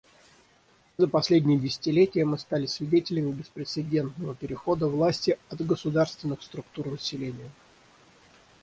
За последнее десятилетие мы стали свидетелями беспрецедентного перехода власти от государственных структур населению.